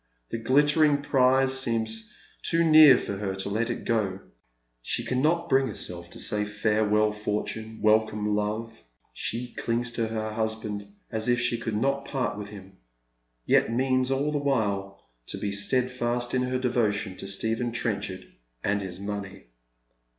The glittering prize seems too near for her to let it go. She cannot bring herself to say farewell fortune, welcome love. She clings to her husband as if she could not part with him, yet means all the while to be steadfast in her devotion to Stephen Trenchard and his money.